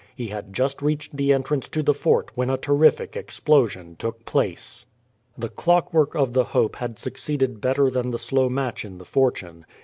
He had just reached the entrance to the fort when a terrific explosion took place. The clockwork of the Hope had succeeded better than the slow match in the Fortune.